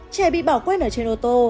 trẻ bị bỏ quên ở trên ô tô